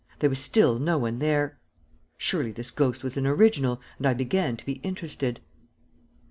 There was still no one there. Surely this ghost was an original, and I began to be interested.